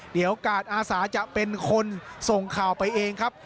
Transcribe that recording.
เดี๋ยวกาดอาสาจะเป็นคนส่งข่าวไปเองครับ